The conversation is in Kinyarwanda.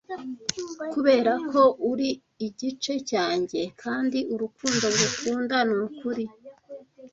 Kuberako uri igice cyanjye kandi urukundo ngukunda nukuri.